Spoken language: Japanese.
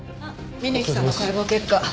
峯木さんの解剖結果。